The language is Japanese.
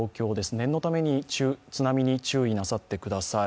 念のために津波に注意なさってください。